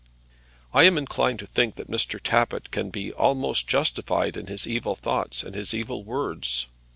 I am inclined to think that Mr. Tappitt can be almost justified in his evil thoughts and his evil words.